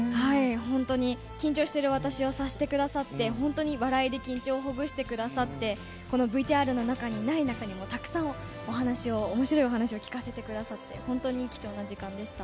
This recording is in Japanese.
本当に緊張している私を察してくださって、本当に笑いで緊張をほぐしてくださって、このＶＴＲの中にない中にもたくさんお話を、おもしろいお話を聞かせてくださって、本当に貴重な時間でした。